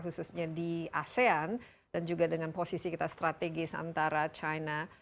khususnya di asean dan juga dengan posisi kita strategis antara china